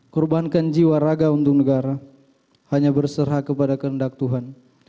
kurbankan jiwa raga untuk negara hanya berserah kepada kehendak tuhan